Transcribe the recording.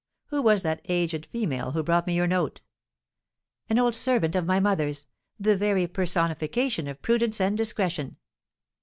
Who was that aged female who brought me your note?" "An old servant of my mother's, the very personification of prudence and discretion."